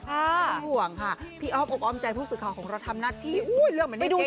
ค่ะไม่ห่วงค่ะพี่ออฟอบอมใจผู้สื่อข่าวของเราทำนักที่อุ้ยเรื่องเหมือนเดียว